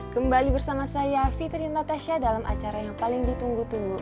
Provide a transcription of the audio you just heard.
kembali bersama saya fitri dan tante sya dalam acara yang paling ditunggu